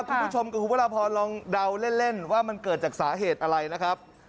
คุณผู้ชมกับคุณพระราพรลองเดาเล่นว่ามันเกิดจากสาเหตุอะไรนะครับ